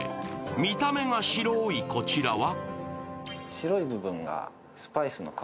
見た目が白いこちらは？